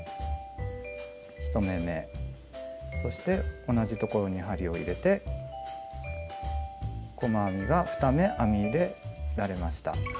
１目めそして同じところに針を入れて細編みが２目編み入れられました。